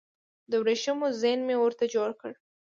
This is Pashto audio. د وریښمو زین مې ورته جوړ کړ